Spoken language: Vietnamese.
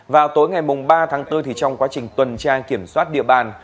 vào tối ngày ba bốn trong quá trình tuần tra kiểm soát địa bàn